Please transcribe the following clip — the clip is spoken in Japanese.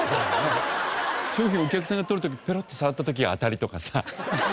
商品をお客さんが取る時ペロって触った時は当たりとかさ。